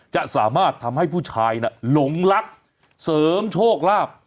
จะสามารถทำให้ผู้ชายน่ะหลงรักเสริมโชคลาภ